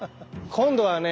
今度はね